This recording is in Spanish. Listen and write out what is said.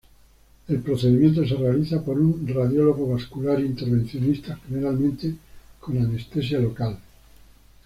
El procedimiento se realiza por un Radiólogo Vascular Intervencionista, generalmente con anestesia local.